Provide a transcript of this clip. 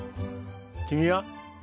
君は？